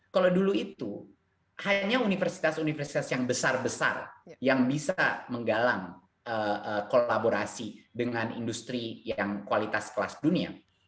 kalau dulu itu hanya universitas universitas yang besar besar yang bisa menggalang kolaborasi dengan industri yang kualitas kelas dunia